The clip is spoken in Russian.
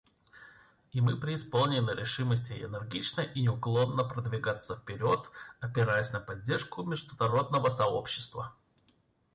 И мы преисполнены решимости энергично и неуклонно продвигаться вперед, опираясь на поддержку международного сообщества.